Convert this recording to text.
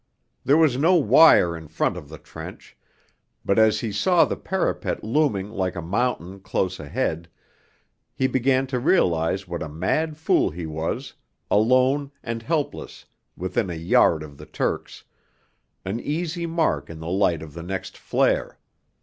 There was no wire in front of the trench, but as he saw the parapet looming like a mountain close ahead, he began to realize what a mad fool he was, alone and helpless within a yard of the Turks, an easy mark in the light of the next flare.